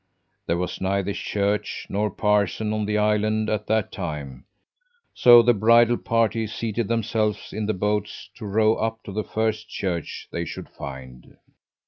There was neither church nor parson on the island at that time, so the bridal party seated themselves in the boats to row up to the first church they should find.